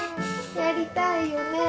やりたいよねえ。